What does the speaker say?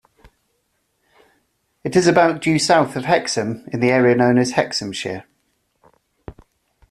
It is about due south of Hexham in the area known as Hexhamshire.